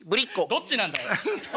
どっちなんだよ！